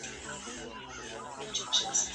ښوونیزه ارواپوهنه د تدریس او زده کړي علم دی.